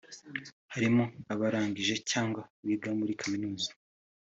Harimo abarangije cyangwa biga muri Kaminuza